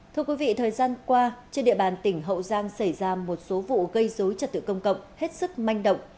thưa quý vị thời gian qua trên địa bàn tỉnh hậu giang xảy ra một số vụ gây dối trật tự công cộng hết sức manh động